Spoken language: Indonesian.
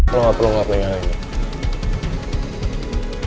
lo gak perlu ngelakuin hal ini